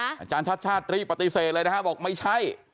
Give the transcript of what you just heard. อาจารย์ชาติชาติรีบปฏิเสธเลยนะฮะบอกไม่ใช่